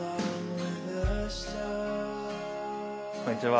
こんにちは。